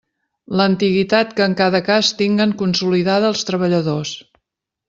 L'antiguitat que en cada cas tinguen consolidada els treballadors.